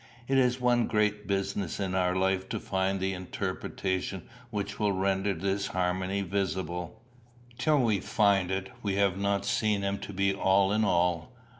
It is one great business in our life to find the interpretation which will render this harmony visible. Till we find it, we have not seen him to be all in all.